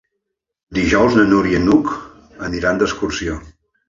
Dijous na Núria i n'Hug aniran d'excursió.